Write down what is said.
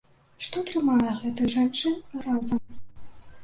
Што трымае гэтых жанчын разам?